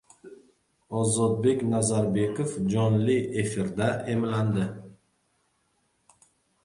Ozodbek Nazarbekov jonli efirda emlandi